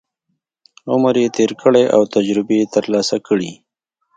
عمر یې تېر کړی او تجربې یې ترلاسه کړي.